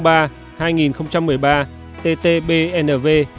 và thông tư số ba hai nghìn một mươi ba ttbnv